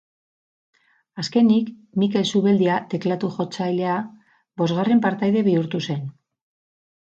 Azkenik, Mikel Zubeldia teklatu jotzailea bosgarren partaide bihurtu zen.